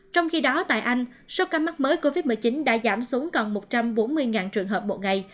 trong khi đó tại anh số ca mắc mới covid một mươi chín đã giảm xuống còn một trăm bốn mươi trường hợp một ngày